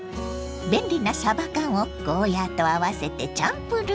便利なさば缶をゴーヤーと合わせてチャンプルーに。